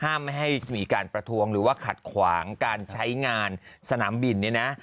ไม่ให้มีการประท้วงหรือว่าขัดขวางการใช้งานสนามบินเนี่ยนะ